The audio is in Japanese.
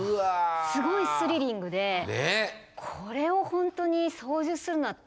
すごいスリリングでこれを本当に操縦するのは大変。